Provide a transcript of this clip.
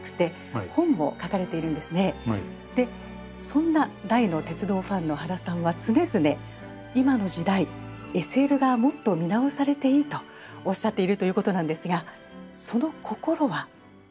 そんな大の鉄道ファンの原さんは常々今の時代ＳＬがもっと見直されていいとおっしゃっているということなんですがその心は？